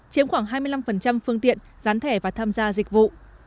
chiếm khoảng hai mươi năm phương tiện gián thẻ và tham gia dịch vụ